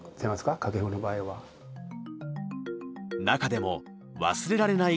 中でも忘れられない